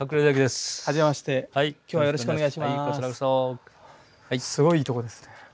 すごいいいところですね。